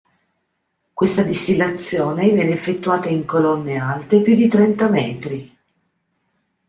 Questa distillazione viene effettuata in colonne alte più di trenta metri.